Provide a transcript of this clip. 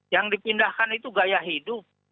yang dipindahkan itu gaya hidup